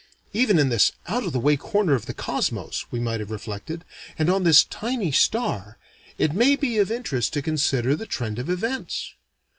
"Even in this out of the way corner of the Cosmos," we might have reflected, "and on this tiny star, it may be of interest to consider the trend of events."